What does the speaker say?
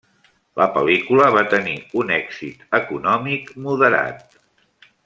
La pel·lícula va tenir un èxit econòmic moderat.